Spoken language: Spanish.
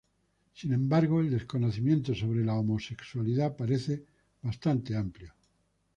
Sin embargo el desconocimiento sobre la homosexualidad parece bastante amplio.